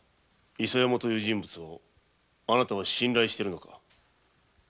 伊佐山という人物をあなたは信頼しているのか？